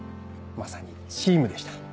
まさにチームでした。